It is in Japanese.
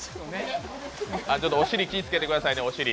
お尻気をつけてくださいね。